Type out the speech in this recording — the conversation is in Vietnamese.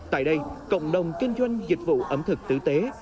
tại đây cộng đồng kinh doanh dịch vụ ẩm thực tử tế